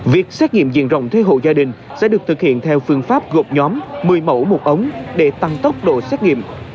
việc xét nghiệm diện rộng thuê hộ gia đình sẽ được thực hiện theo phương pháp gộp nhóm một mươi mẫu một ống để tăng tốc độ xét nghiệm